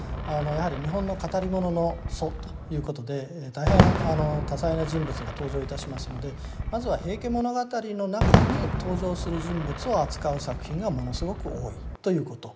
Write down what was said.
やはり日本の語り物の祖ということで大変多彩な人物が登場いたしますのでまずは「平家物語」の中に登場する人物を扱う作品がものすごく多いということ。